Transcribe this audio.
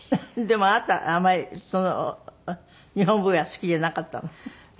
でもあなたあんまり日本舞踊は好きじゃなかったの？